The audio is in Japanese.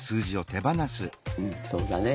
うんそうだね。